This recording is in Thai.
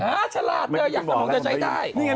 อ้าวฉลาดเธออยากทำงงจะใช้ได้